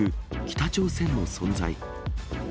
北朝鮮の存在。